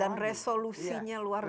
dan resolusinya luar biasa